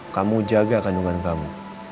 kamu jaga kandungan kamu